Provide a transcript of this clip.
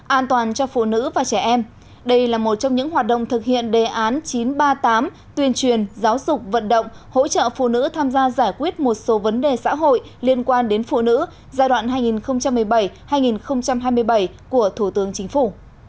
an toàn cho phụ nữ và trẻ em đây là một trong những hoạt động thực hiện đề án chín trăm ba mươi tám tuyên truyền giáo dục vận động hỗ trợ phụ nữ tham gia giải quyết một số vấn đề xã hội liên quan đến phụ nữ giai đoạn hai nghìn một mươi bảy hai nghìn hai mươi bảy của thủ tướng chính phủ